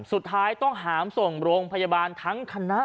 สุดท้ายต้องหามส่งโรงพยาบาลทั้งคณะ